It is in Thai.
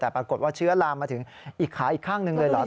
แต่ปรากฏว่าเชื้อลามมาถึงอีกขาอีกข้างหนึ่งเลยเหรอ